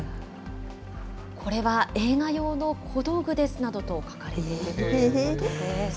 これは映画用の小道具ですなどと書かれているということです。